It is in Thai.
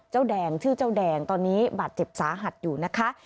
แดงชื่อเจ้าแดงตอนนี้บาดเจ็บสาหัสอยู่นะคะ